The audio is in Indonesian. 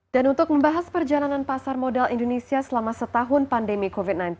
dan untuk membahas perjalanan pasar modal indonesia selama setahun pandemi covid sembilan belas